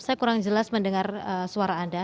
saya kurang jelas mendengar suara anda